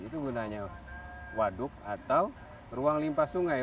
itu gunanya waduk atau ruang limpah sungai